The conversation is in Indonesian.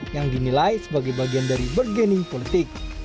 yang dinilai sebagai bagian dari bergening politik